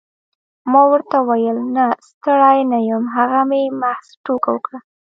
ما ورته وویل نه ستړی نه یم هغه مې محض ټوکه وکړه.